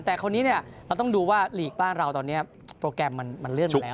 แต่คราวนี้เนี่ยเราต้องดูว่าลีกบ้านเราตอนนี้โปรแกรมมันเลื่อนมาแล้ว